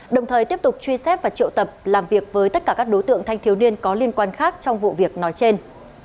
đồng thời tiếp tục truy xét và triệu tập làm việc với tất cả các đối tượng thanh thiếu niên có liên quan khác trong vụ việc nói trên